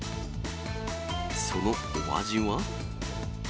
そのお味は。